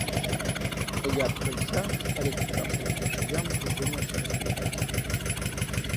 Отойдя от крыльца, старик подошел к лошадям и принялся распрягать.